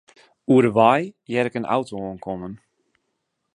Oer de wei hear ik in auto oankommen.